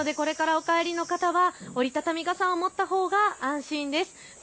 ですのでこれからお帰りの方は降り畳傘を持ったほうが安心です。